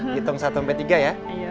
hitung satu sampai tiga ya